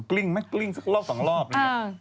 กลิ้งไหมกลิ้งสักรอบ๒รอบนี่